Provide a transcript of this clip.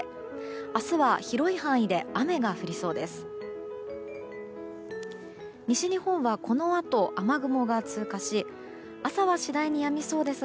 明日は広い範囲で雨が降りそうです。